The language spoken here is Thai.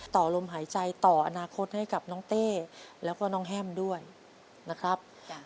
ต่อลมหายใจต่ออนาคตให้กับน้องเต้แล้วก็น้องแฮมด้วยนะครับ